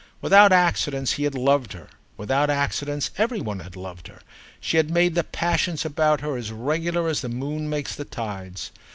Without accidents he had loved her, without accidents every one had loved her: she had made the passions about her as regular as the moon makes the tides.